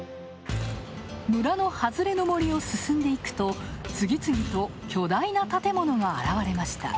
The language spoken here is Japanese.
村の外れの森を進んでいくと次々と巨大な建物が現れました。